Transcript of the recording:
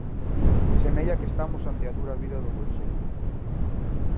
Semella que estamos ante a dura vida do bolseiro.